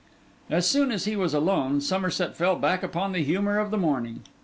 As soon as he was alone, Somerset fell back upon the humour of the morning.